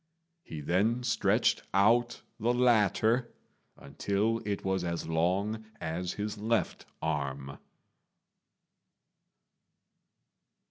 He then stretched out the latter until it was as long as his left arm.